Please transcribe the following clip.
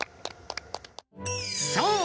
そう！